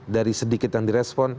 dari sedikit yang direspon